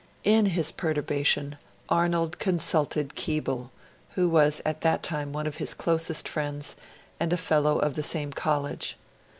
In his perturbation, Arnold consulted Keble, who was at that time one of his closest friends, and a Fellow of the same College.